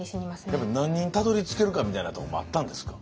やっぱり何人たどりつけるかみたいなとこもあったんですか？